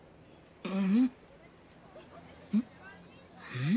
うん？